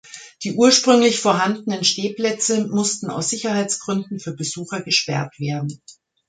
Die ursprünglich vorhandenen Stehplätze mussten aus Sicherheitsgründen für Besucher gesperrt werden.